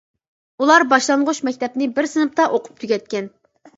ئۇلار باشلانغۇچ مەكتەپنى بىر سىنىپتا ئوقۇپ تۈگەتكەن.